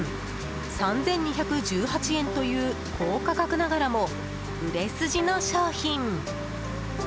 ３２１８円という高価格ながらも売れ筋の商品。